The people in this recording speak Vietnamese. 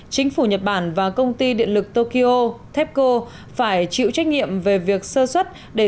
chính phủ nhật bản và công ty điện lực tokyo tepco phải chịu trách nhiệm về việc sơ xuất để